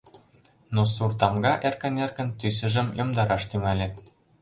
Но сур тамга эркын-эркын тӱсыжым йомдараш тӱҥале.